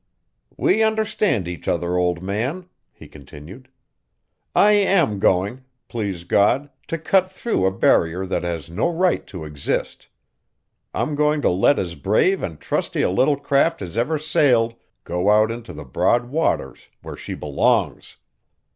"We understand each other, old man," he continued. "I am going, please God, to cut through a barrier that has no right to exist. I'm going to let as brave and trusty a little craft as ever sailed go out into the broad waters where she belongs.